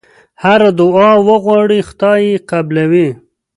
هره دعا وغواړې خدای یې قبلوي.